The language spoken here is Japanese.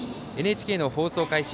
ＮＨＫの放送開始